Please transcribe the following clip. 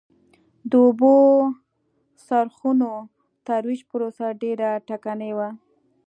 د اوبو څرخونو ترویج پروسه ډېره ټکنۍ وه